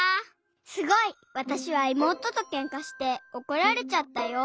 すごい！わたしはいもうととけんかしておこられちゃったよ。